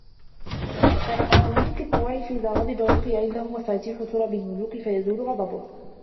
وَكَانَ بَعْضُ مُلُوكِ الطَّوَائِفِ إذَا غَضِبَ أُلْقِيَ عِنْدَهُ مَفَاتِيحُ تُرَبِ الْمُلُوكِ فَيَزُولُ غَضَبُهُ